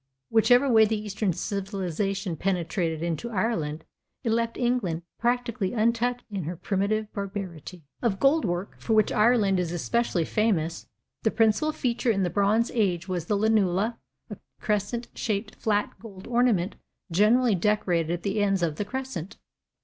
Whichever way the eastern civilization penetrated into Ireland, it left England practically untouched in her primitive barbarity. Of gold work, for which Ireland is especially famous, the principal feature in the bronze age was the lunula, a crescent shaped flat gold ornament generally decorated at the ends of the crescent.